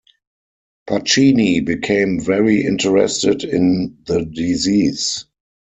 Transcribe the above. Pacini became very interested in the disease.